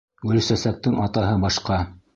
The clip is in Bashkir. Гөлсәсәктең атаһы башҡа.